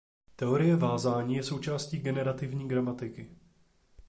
Teorie vázání je součástí generativní gramatiky.